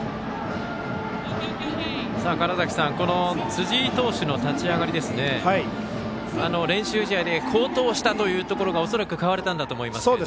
川原崎さん辻井投手の立ち上がり練習試合で好投したというところが恐らく買われたと思うんですけど。